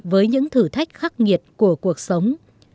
với những thử thách khắc nghiệt của cuộc sống